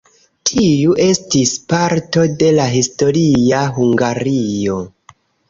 Tiu estis parto de la historia Hungario.